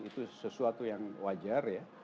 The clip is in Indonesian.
itu sesuatu yang wajar ya